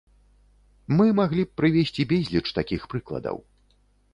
Мы маглі б прывесці безліч такіх прыкладаў.